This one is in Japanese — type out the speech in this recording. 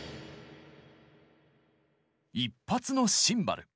１発のシンバル。